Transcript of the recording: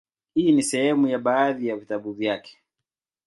Hii ni sehemu ya baadhi ya vitabu vyake;